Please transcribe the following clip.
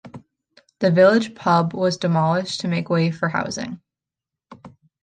The village pub was demolished to make way for housing.